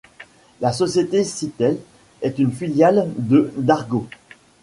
La société Citel est une filiale de Dargaud.